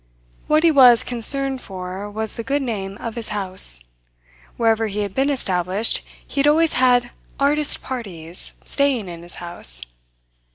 What he was concerned for was the good name of his house. Wherever he had been established, he had always had "artist parties" staying in his house.